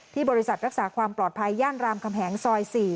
บริษัทรักษาความปลอดภัยย่านรามคำแหงซอย๔